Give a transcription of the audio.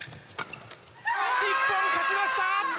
日本、勝ちました！